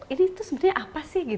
ini tuh sebenarnya apa sih